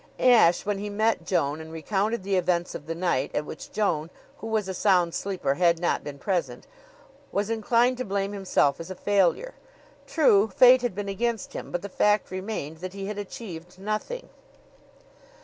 Ashe, when he met Joan and recounted the events of the night, at which Joan, who was a sound sleeper, had not been present, was inclined to blame himself as a failure. True, fate had been against him, but the fact remained that he had achieved nothing.